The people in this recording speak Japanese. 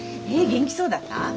元気そうだった？